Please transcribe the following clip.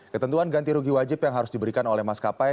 ketentuan ganti rugi wajib yang harus diberikan oleh maskapai